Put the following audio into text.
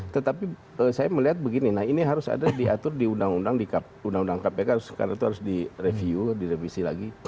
tetapi saya melihat begini nah ini harus ada diatur di undang undang di undang undang kpk karena itu harus direview direvisi lagi